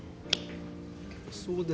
そうですか。